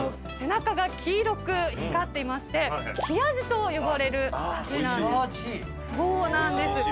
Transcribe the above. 背中が黄色く光っていまして黄アジと呼ばれるアジなんです。